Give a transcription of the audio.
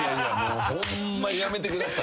ホンマやめてください。